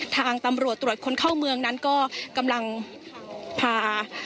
ทางตำรวจตรวจคนเข้าเมืองนั้นก็กำลังพา